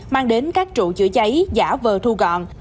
mang đến các trụ chữa cháy giả vờ thu gọn